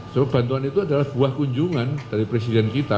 sebab bantuan itu adalah buah kunjungan dari presiden kita